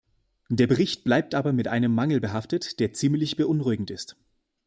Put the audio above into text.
Der Bericht bleibt aber mit einem Mangel behaftet, der ziemlich beunruhigend ist.